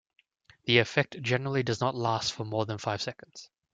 The effect generally does not last for more than five seconds.